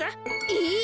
えっ！